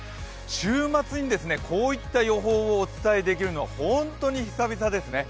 週末にこういった予報をお伝えできるのは本当に久々ですね。